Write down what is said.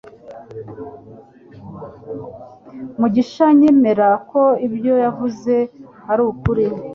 mugishayemera ko ibyo yavuze ari ukuri.